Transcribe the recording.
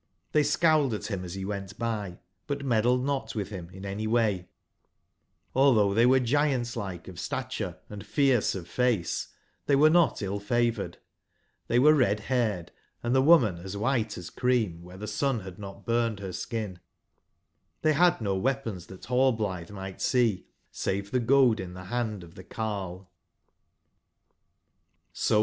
they scowled at him as he went by, but meddled not with him in any way, Hlthough they were giant/like of stature & fierce of face, they were not ill/favoured : they were red/haired, and the woman as white as cream where the sun had not burned her skin ; they had no weapons that Rail blithe might see, save the goad in the hand of the carle. ^^^?